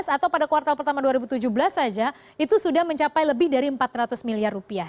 atau pada kuartal pertama dua ribu tujuh belas saja itu sudah mencapai lebih dari empat ratus miliar rupiah